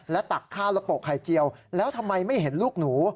ตักข้าวแล้วโปะไข่เจียวแล้วทำไมไม่เห็นลูกหนู